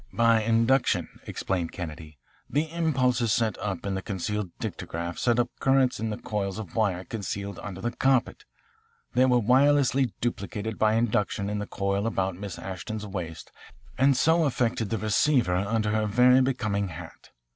"By induction," explained Kennedy. "The impulses set up in the concealed dictograph set up currents in these coils of wire concealed under the carpet. They were wirelessly duplicated by induction in the coil about Miss Ashton's waist and so affected the receiver under her very becoming hat.